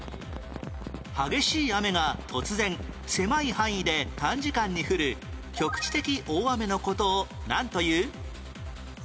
激しい雨が突然狭い範囲で短時間に降る局地的大雨の事をなんという？